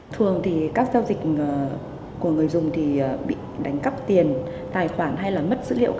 thường thì các giao dịch của người dùng thì bị đánh cắp tiền tài khoản hay là mất dữ liệu